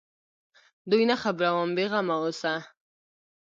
دوى نه خبروم بې غمه اوسه.